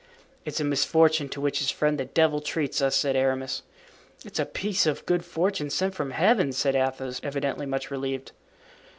"It's a misfortune, to which his friend, the devil, treats us," said Aramis. "It's a piece of good fortune sent from Heaven," said Athos, evidently much relieved.